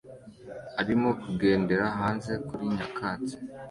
arimo kugenda hanze kuri nyakatsi